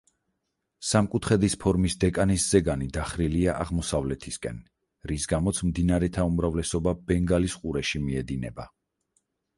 სამკუთხედის ფორმის დეკანის ზეგანი დახრილია აღმოსავლეთისკენ, რის გამოც მდინარეთა უმრავლესობა ბენგალის ყურეში მიედინება.